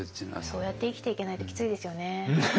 そうやって生きていけないときついですよね。